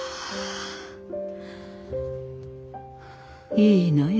いいのよ